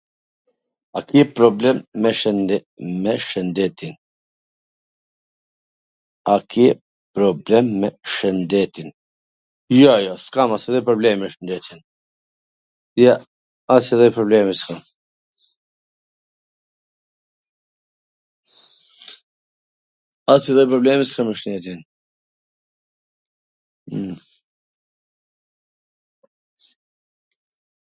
A ke problem me shwnde... me shwndetin. A ke problem meshwndetin? Jo, jo, s kam asnjw lloj problemi ,me shwndetin. Jo, asnjw lloj problemi s kam. As edhe njw lloj problemi s kam me shndetin.